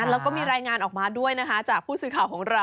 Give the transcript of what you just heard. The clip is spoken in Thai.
แล้วก็มีรายงานออกมาด้วยนะคะจากผู้สื่อข่าวของเรา